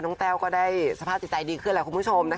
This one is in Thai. น้องแต้วก็ได้สภาพดีใจดีขึ้นแล้วคุณผู้ชมนะคะ